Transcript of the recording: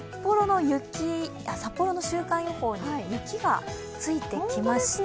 札幌の週間予報に雪がついてきました。